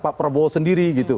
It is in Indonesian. pak prabowo sendiri